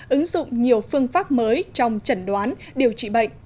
ứng dụng nhiều phương pháp mới trong chẩn đoán điều trị bệnh